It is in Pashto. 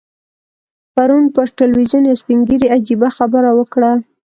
پرون پر ټلویزیون یو سپین ږیري عجیبه خبره وکړه.